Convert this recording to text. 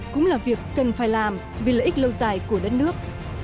cũng là việc cần phải làm vì lợi ích lâu dài của đất nước